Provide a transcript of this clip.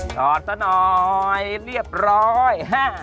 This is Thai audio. ก่อนสักหน่อยเรียบร้อย